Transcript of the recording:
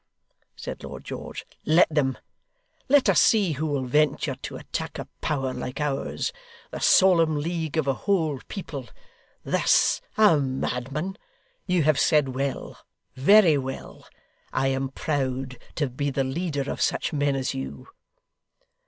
said Lord George, 'let them! Let us see who will venture to attack a power like ours; the solemn league of a whole people. THIS a madman! You have said well, very well. I am proud to be the leader of such men as you.